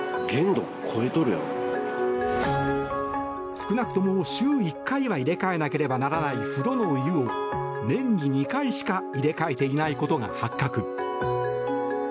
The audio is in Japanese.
少なくとも週１回は入れ替えなければならない風呂のお湯を年に２回しか入れ替えていないことが発覚。